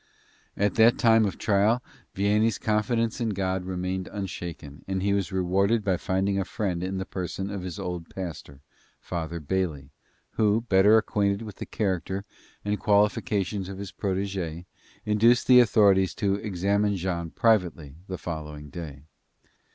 In that time of trial Vianney's confidence in God remained unshaken and he was rewarded by finding a friend in the person of his old pastor, Father Bailey, who, better acquainted with the character and qualifications of his protege, induced the authorities to examine Jean privately the following day.